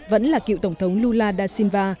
vẫn là cựu tổng thống lula da silva